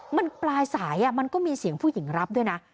มันปลายสายมันก็มีเสียงผู้หญิงรับด้วยนะ